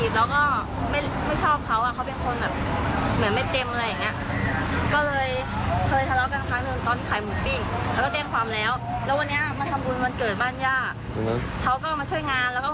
เดี๋ยวจะดันนะ